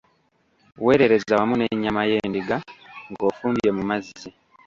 Weerereza wamu n'ennyama y'endiga, gy'ofumbye mu mazzi.